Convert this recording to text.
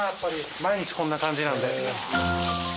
毎日こんな感じなので。